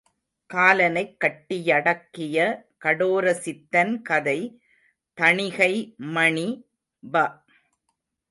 காலனைக் கட்டி யடக்கிய கடோரசித்தன் கதை தணிகைமணி வ.